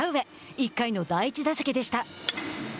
１回の第１打席でした。